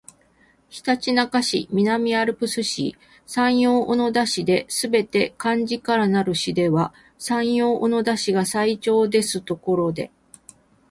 ひたちなか市、南アルプス市、山陽小野田市ですべて漢字からなる市では山陽小野田市が最長ですところで